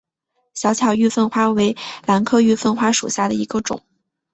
小巧玉凤花为兰科玉凤花属下的一个种。